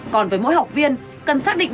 còn với mỗi học viên cần xác định